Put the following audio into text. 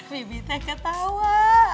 bibi teh ketawa